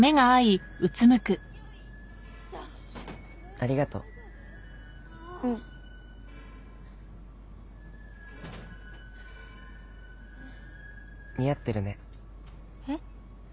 ありがとううん似合ってるねえ？